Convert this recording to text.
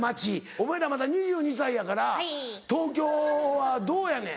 お前まだ２２歳やから東京はどうやねん？